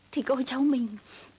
thì cô cháu mình